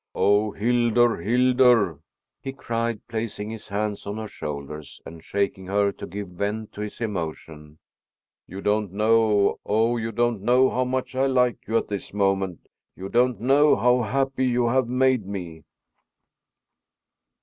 "Oh, Hildur, Hildur!" he cried, placing his hands on her shoulders and shaking her to give vent to his emotion. "You don't know, oh, you don't know how much I like you at this moment! You don't know how happy you have made me!"